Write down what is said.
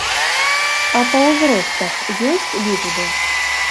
А па ўзростах ёсць лічбы?